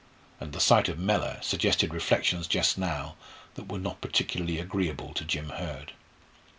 And the sight of Mellor suggested reflections just now that were not particularly agreeable to Jim Hurd.